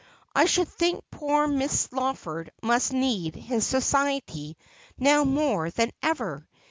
' I should think poor Miss Lawford must need his society now more than ever.